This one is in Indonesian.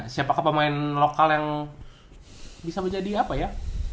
siapakah pemain lokal yang bisa menjadi apa ya